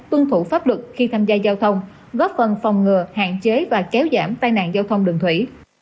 tuân thủ pháp luật khi tham gia giao thông góp phần phòng ngừa hạn chế và kéo giảm tai nạn giao thông đường thủy